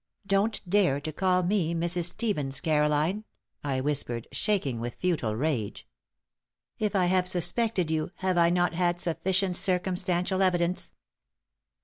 "Don't dare to call me Mrs. Stevens, Caroline," I whispered, shaking with futile rage. "If I have suspected you, have I not had sufficient circumstantial evidence?